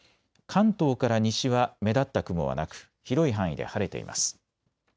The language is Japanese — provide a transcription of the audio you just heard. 関東から西は目立った雲はなく広い範囲で晴れています。